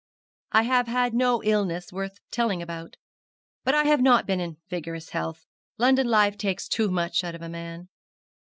'I have had no illness worth telling about; but I have not been in vigorous health. London life takes too much out of a man.'